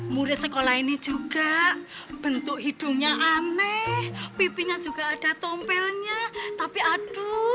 murid sekolah ini juga bentuk hidungnya aneh pipinya juga ada tompelnya tapi aduh